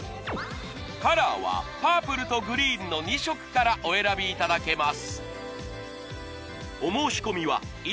カラーはパープルとグリーンの２色からお選びいただけます